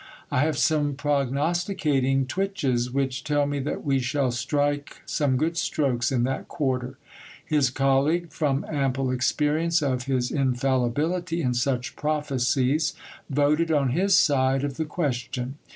I have some prognosticating twitches, which tell me that we shall strike some good strokes in that quarter. His colleague, from ample experience of his infallibility in such prophecies, voted on his side of the question.